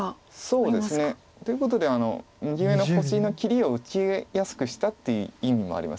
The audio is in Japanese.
そうですね。ということで右上の星の切りを打ちやすくしたっていう意味もありますよね。